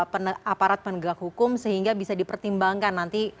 aparat penegak hukum sehingga bisa dipertimbangkan nanti